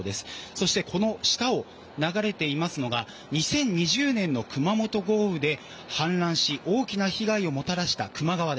そしてこの下を流れていますのが２０２０年の熊本豪雨で氾濫し大きな被害をもたらした球磨川。